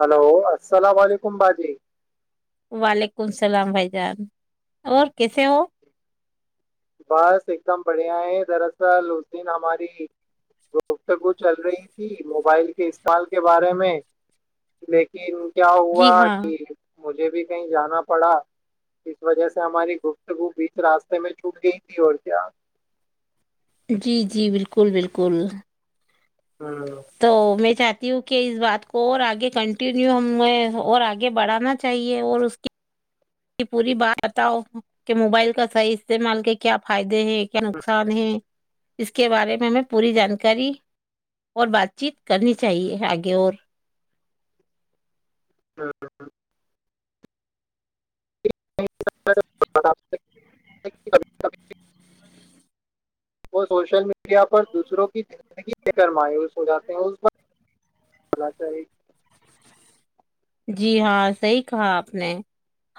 Hello اللام علیکم بھاجی سلام بھائی جان اور کیسے ہو بس ایک دم بڑھیا ہے دراصل اس دن ہماری گفتگو چل رہی تھی موبائل کے استعمال کے بارے میں لیکن کیا ہووا جی ہاں کہ مجھے بھی کہیں جانا پڑا اس وجہ سے ہماری گفتگو بیچ راستے میں چوٹ گئی تھی اور کیا جی جی بالکل بالکل ہوں، ہوں۔ تو میں چاہتی ہ کہ اس بات کو اور آگے کنٹینیو ہمیں اور آگے بڑھانا چاہیے اور اس کی پوری بات بتاؤ کہ موبائل کا صحیح استعمال کے کیا فائدہ ہی کیا نقصان ہی اس کے بارے میں ہمیں پوری جانکاری اور بات چیت کرنی چاہیے آگے اور ہاں ہ ہاں [inaudible] وہ سوشل میڈیا پر دوسروں کی زندگی لے کر مایوس ہو جاتے ہیں اسقنا چیے جی ہاں صحیح کہا آپ نے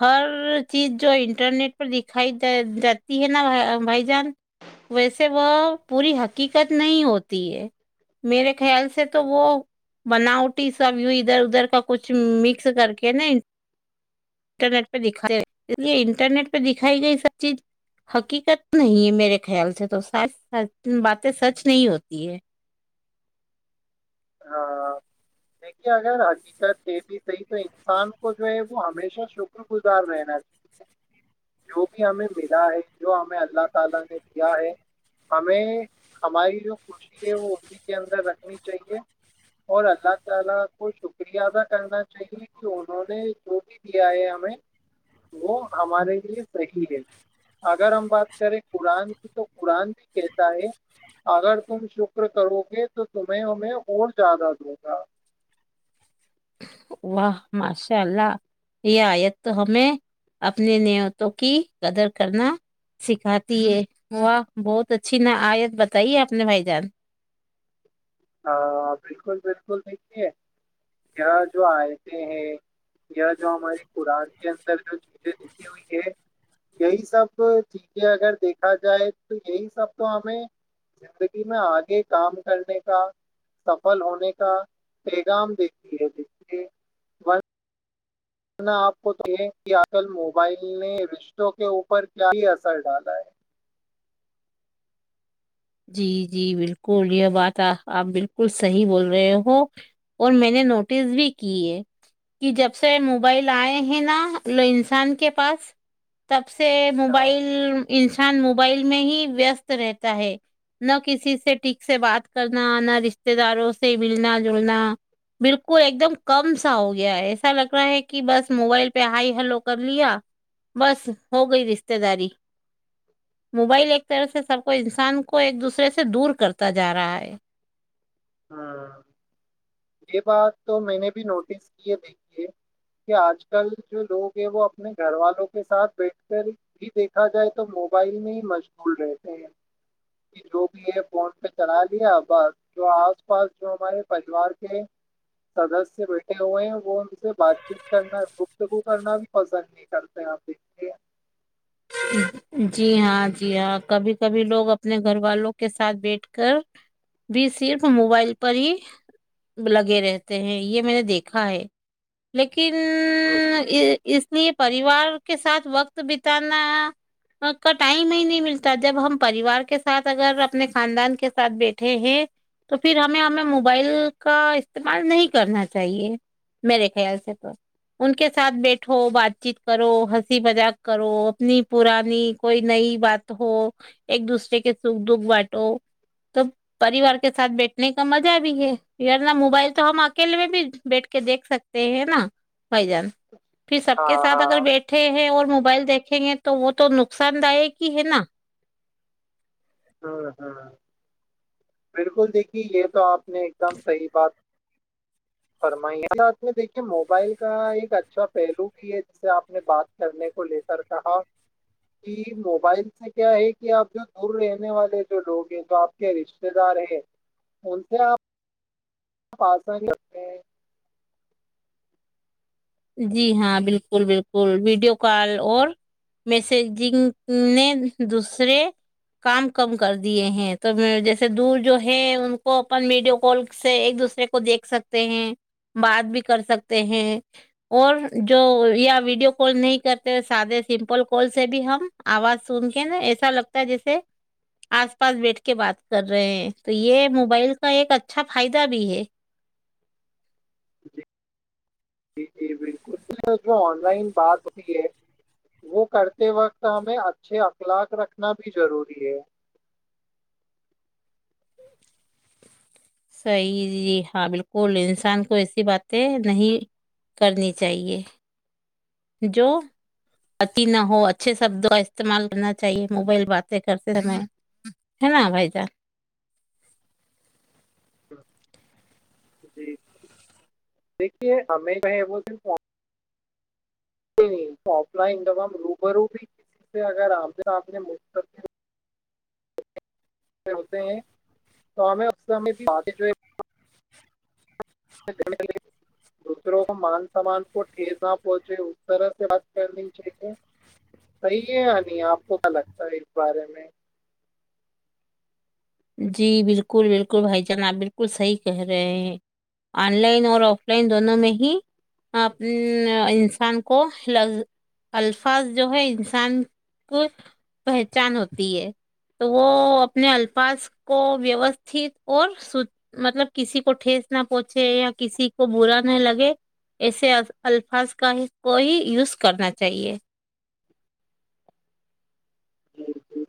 ہر چیز جو انٹرنیٹ دکھائی جاتی ہے نا وہ بھائی جان ویسے وہ پوری حقیقت نہیں ہوتی ہے میرے خیال سے تو وہ بناوٹی سب ادھر ادھر کا کچھ کچھ مکس کر کے نا انٹرنیٹ پہ دکھاتے اسے انٹرنیٹ پہ دکھائی گئی سب چیز حقیقت نہیں ہے میرے خیال سے تو س باتیں سچ نہیں ہوتی ہے ہاں [inaudible] [inaudible] واہ ماشاء اللہ یہ آیت تو ہمیں اپنی نیتوں کی قدر کرنا سکھاتی ہے واہ بہت اچھی نا آیت بتائیے اپنے بھائی جان ہاں بالکل بالکل دیکھیے جو آیتیں ہیں یا جو ہماری قرآن کے اندر جو چیزیں لکھی ہوئی ہے یہی سب چیزیں اگر دیکھا جائے تو یہی سب تو ہمیں زندگی میں آگے کام کرنے کا سفل ہونے کا پیغام دیتی ہے جس سے جنا آپ کو دیکھیں کہ آج کل موبائل نے رشتوں کے اوپر کیا ہی اثر ڈالا ہے جی جی بالکل یہ بات آپ بالکل صحیح بول رہے ہو اور میں نے نوٹس بھی کی ہے کہ جب سے موبائل آئے ہیں نا لو انسان کے پاس تب سب سے ہاں موبائل انسان موبائل میں ہی ویست رہتا ہے نہ کسی سے ٹھیک سے بات کرنا نہ رشتے داروں سے ملنا جلنا بالکل ایک دم کم سا ہو گیا ہے ایسا لگ رہا ہے کہ بس موبائل پہ ہائی ہلو کر لیا بس ہو گئی رشتے داری موبائل ایک طرح سے سب کوئی انسان کو ایک دوسرے سے دور کرتا جا رہا ہے ہاں یہ بات تو میں نے بھی نوٹس کی ہے دیکھیے کہ آج کل جو لوگ ہے وہ اپنے گھر والوں کے ساتھ بیٹھ کر ہی دیکھا جائے تو موبائل میں ہی مشغول رہتے ہیں کہ جو بھی ہے فون پہ چلا لیا ب جو آس پاس جو ہمارے پریوار سدسیہ بیٹھے ہوئے ہیں وہ ان سے بات چیت کرنا گفتگو کرنا بھی پسند نہیں کرتے ہیں آپ دیکھے جی ہاں جی ہاں کبھی کبھی لوگ اپنے گھر والوں کے ساتھ بیٹھ کر بھی صرف موبائل پر ہی لگے رہتے ہیں یہ میں نے دیکھا ہے لیکن کن یہ اس نے پریوار کے ساتھ وقت بتا کا ٹائم ہی نہیں ملتا جب ہم پریوار کے ساتھ اگر اپنے خاندان کے ساتھ بیٹھے ہیں تو پھر ہمیں ہمیں موبائل کا استعمال نہیں کرنا چاہیے میرے خیال سے تو ان کے ساتھ بیٹھو بات چیت کرو ہنسی مذاق کرو اتنی پرانی کوئی نئی بات ہو ایک دوسرے کے سکھ دکھ بانٹو تو پریوار کے ساتھ بیٹھنے کا مزہ بھی ہے یارنہ موبائل تو ہم اکیلے میں بھی بیٹھ کے دیکھ سکتے ہیں نا بھائی جان پھر سب ہاں کے ساتھ ہاں اگر بیٹھے ہیں اور موبائل دیک دکھیں گے تو وہ تو نقصان دایک ہی ہے نا ہاں ہاں بالکل دیکھی یہ تو آپ میں ایک دم صح بات فرمائیے اس رات میں دیکھیے موبائل کا ایک اچھا پہلو بھی ہے جسے آپ نے بات کرنے کو لے کر کہا کہ موبائل سے کیا ہے کہ آپ جو دور رہنے والے جو لوگ ہیں جو آپ کے رشتے دار ہیں ان سے آپ آسانی ج جی ہاں بالکل بالکل ویڈیو کال اور میسجنگ نے دوسرے کام کم کر دیے ہیں تو جیسے دور جو ہے ان کو اپن ویڈیو کال سے ایک دوسرے کو دیکھ سکتے ہیں بات بھی کر سکتے ہیں اور جو یا ویڈیو کال نہیں کرتے سادے سمپل کال سے بھی ہم آواز سن کے نا ایسا لگتا ہے جیسے آس پاس بیٹھ کے بات کر رہے ہیں تو یہ موبائل کا ایک اچھا فائدہ بھی ہے جی جی جو آن لائن بات ہوئی ہے وہ کرتے وقت ہمیں اچھے اخلاق رکھنا بھی ضروری ہے صحیح جی ہاں بالکل انسان کو ایسی باتیں نہیں کرنی چاہیے جو اتی نہ ہو اچھے شبدوں کا استعمال کرنا چاہیے موبائل باتیں کرتے سئے ہے نا بھائی جان جی دیکھیے ہم ب بول نہیں نہیں تو آف لائن تام روبرو بھی کسی سے اگر آپ آپ نے م کر کے [unintelligible] ہوتے ہیں تو ہمیں افس آگ جو [unintelligible] دوسروں کو مان سمان کو ٹھز نہ پہنچے اس طرح سے بات کرنی چاہیے صحیح ہے یا نہیں آپ کو کیا لگتا ہے اس بارے میں [unintelligible] [inaudible] جی بالکل بالکل بھائی جان آپ بالکل صحیح کہہ رہے ہیں آن لائن اور آف لائن دونوں میں ہی انسان کو لظ الفاظ جو ہے انسان کو پہچان ہوتی ہے تو وہ اپنے الفاظ کو ویوستھت اور س مطلب کسی کو ٹھیس نہ پہنچے یا کسی کو برا نہ لگے ایسے الفاظ کا کو ہی یوز کرنا چاہیے جی جی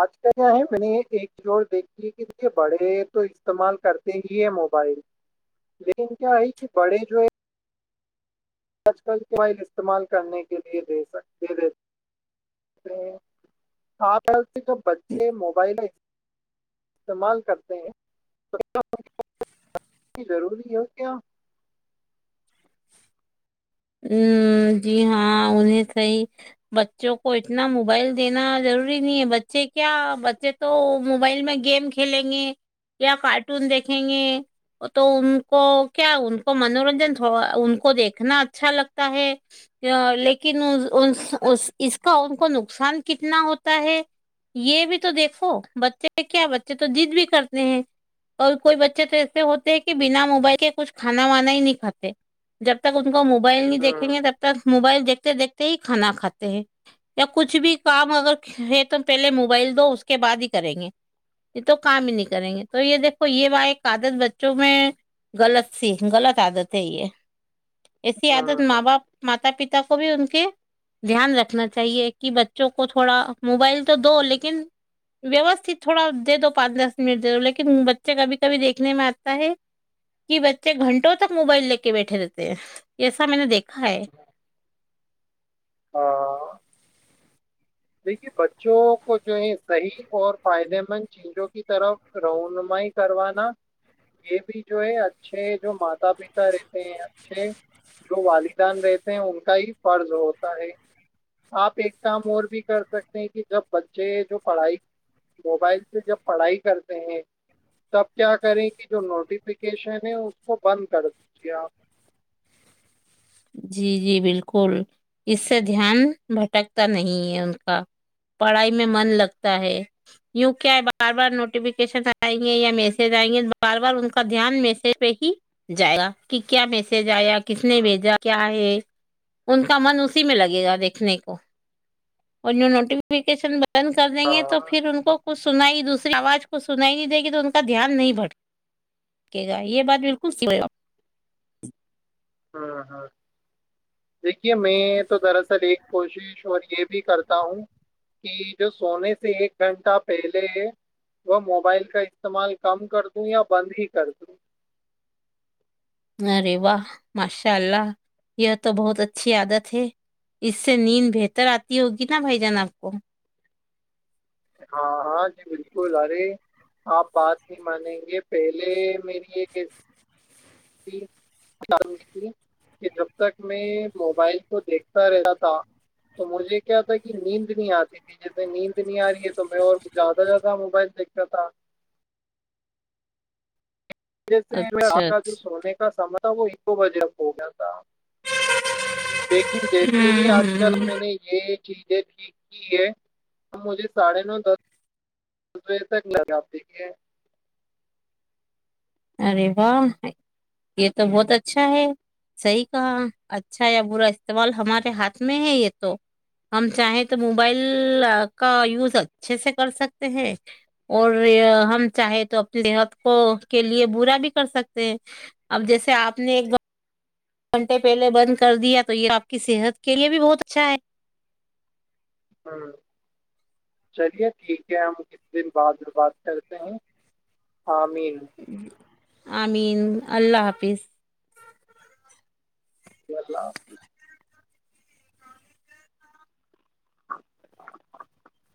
آج کل یہاں ہے میں نے ایک جوڑ دیکھی ہے کہ دیکھیے بڑے تو استعمال کرتے ہی ہے موبائل لیکن کیا ہے کہ بڑے جو ہے آج کلبائل استعمال کرنے کے لیے دے سکے خال خل سے ج بچے موبائل استعمال کرتے ہیں تو ضروری ہے کیا [inaudible] ہ جی ہاں انیں صحیح بچوں کو اتنا موبائل دینا ضروری نہیں ہے بچے کیا بچے تو موبائل میں گیم کھیلیں گے یا کارٹون دیکھیں گے تو ان کو کیا ان کو منورنجن تھوڑا ان کو دیکھنا اچھا لگتا ہے لیکن اس کا ان کو نقصان کتنا ہوتا ہے یہ بھی تو دیکھو بچے کیا بچے تو جد بھی کرتے ہیں اور کوئی بچے تو ایسے ہوتے ہیں کہ بنا موبائل کے کچھ کھانا وانا ہی نہیں کاتے جب تک ان [inaudible] موبائل نہیں دیکھیں ہوں ہوں گے تب تک موبائل دیکھتے دیکھتے ہی کھانا کھاتے ہیں یا کچھ بھی کام اگر ہے تو پہلے موبائل دو اس کے بعد ہی کریں گے یہ تو کام ہی نہیں کریں گے تو یہ دیکھو یہ ب ایک عادت بچوں میں غلط سی غلط عادت ہے یہ ایسی عادت ماں ہوں باپ ماتا پتا کو بھی ان دھیان رکھنا چاہیے کہ بچوں کو تھوڑا موبائل تو دو لیکن ویوستت تھوڑا دے دو پانچ دس منٹ دے دو لیکن بچے کبھی کبھی دیکھنے میں آتا ہے کہ بچے گھنٹوں تک موبائل لے کے بیٹھے رہتے یہ سب میں نے دیکھا ہےائے ہاں دیکھیے بچوں کو جو ہے صحیح اور فائدے مند چیزوں کی طرف رنمائی کروانا یہ بھی جو ہے اچھے جو ماتا پتا رہتے ہیں اچھے جو والدان رہتے ہیں ان کا ہی فرض ہوتا ہے آپ ایک کام اور بھی کر سکتے ہیں کہ جب بچے جو پڑھائی موبائل سے جب پڑھائی کرتے ہیں تب کیا کریں کہ جو نوٹیفکیشن ہے اس کو بند کر دیجیے آپ جی جی بالکل اس سے دھیان بھٹکتا نہیں ہے ان کا پڑھائی میں من لگتا ہے یوں کیا بار بار نوٹیفکیشن آئیں گے یا میسج آئیں گے بار بار ان کا دھیان میسج پہ ہی جائے گا کہ کیا میسج آیا کس نے ہاں وجا کیا ہے ان کا من اسی میں لگے گا دیکھنے کو اور جو نوٹیفکیشن ن کر دیں گے تو پھر ان کو کچھ سنائی دوسری آواز کو سنائی نہیں دے گی تو ان کا دھیان نہیں بڑے گا یہ بات بالکل س ہاں ہاں دیکھیے میں تو دراصل ایک کوشش اور یہ بھی کرتا ہوں کہ جو سونے سے ایک گھنٹہ پہلے وہ موبائل کا استعمال کم کر دوں یا بند ہی کر دوں ارے واہ ماشاء اللہ یہ تو بہت اچھی عادت ہے اس سے نیند بہتر آتی ہوگی نا بھائی جان آپ کو ہاں ہاں جی بالکل ارے آپ بات نہیں مانیں گے پہلے میری یہ کیسی ان تھی کہ جب تک میں موبائل کو دیکھتا رہا تھا تو مجھے کیا تھا کہ نیند نہیں آتی تھی جیسے نیند نہیں آ رہی ہے تو میں اور کچ زیادہ زیادہ موبائل دیکھتا تھا جیسے میں اچھا آتا جو اچھا سونے کا سم [unintelligible] وہ ایک بجے پ گیا تھا [unintelligible] [inaudible] لیکن جیسے ہی ہوں آج کل ہوں میں نے یہ چیزیں ٹھیک ہی ہے ا مجھے ساڑھے نو دس دس بجے تک لگا دیکھے ارے واہ یہ تو بہت اچھا ہے صحیح کہا اچھا یا برا استعمال ہمارے ہاتھ میں ہے یہ تو ہم چاہیں تو موبائل کا یوز اچھے سے کر سکتے ہیں اور ہم چاہیں تو اپنی صحت کو کے لیے برا بھی کر سکتے ہیں اب جیسے آپ نے ایک گھنٹے پہلے بند کر دیا تو یہ آپ کی صحت کے لئے بھی بہت اچھا ہے ہاں چلیے ٹھیک ہے ہم کت دن بعد بات کرتے ہیں ا مین آمین اللہ حافظ شی اللہ حافظ [inaudible]